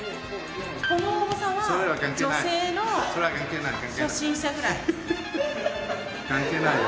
この重さは女性の初心者ぐら関係ないよ。